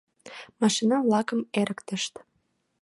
Машина-влакым эрыктышт.